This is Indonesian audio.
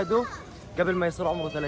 membunuh anaknya sebelum berusia tiga tahun